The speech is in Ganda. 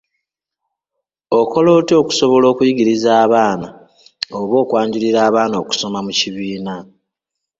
Okola otya okusobola okuyigiriza oba okwanjulira abaana okusoma mu kibiina?